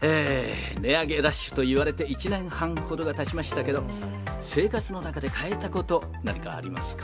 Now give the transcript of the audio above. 値上げラッシュといわれて１年半ほどがたちましたけど、生活の中で変えたこと、何かありますか？